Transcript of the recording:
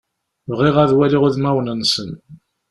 Bɣiɣ ad waliɣ udmawen-nsen.